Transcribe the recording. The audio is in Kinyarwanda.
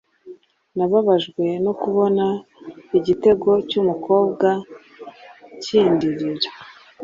nababajwe no kubona igitego cy'umukobwa kindirira